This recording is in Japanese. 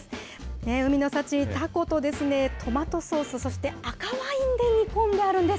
海の幸、タコとトマトソース、そして赤ワインで煮込んであるんです。